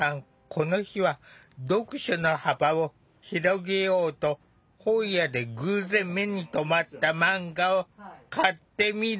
この日は読書の幅を広げようと本屋で偶然目に留まったマンガを買ってみることに。